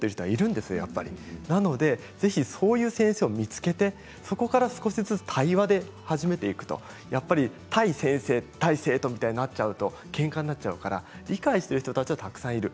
ですのでそういう先生を見つけてそこから少しずつ対話で始めていく対先生、対生徒みたいになってしまうとけんかになってしまうので理解している人たちはたくさんいる。